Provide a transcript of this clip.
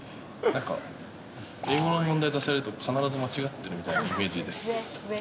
なんか、英語の問題出されると、必ず間違ってるみたいなイメージです。